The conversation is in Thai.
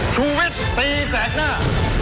ชูวิทย์ตีแสกหน้า